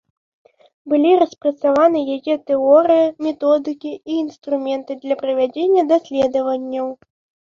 Былі распрацаваны яе тэорыя, методыкі і інструменты для правядзення даследаванняў.